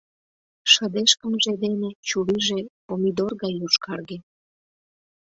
Шыдешкымыже дене чурийже помидор гай йошкарге.